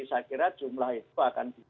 saya kira jumlah itu akan